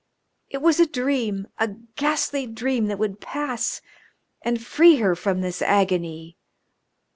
It was a dream, a ghastly dream that would pass and free her from this agony.